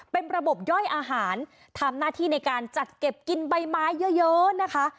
เป็นระบบย่อยอาหารทำหน้าที่ในการจัดเก็บกินใบไม้เยอะนะคะ